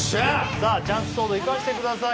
さあチャンスソード生かしてください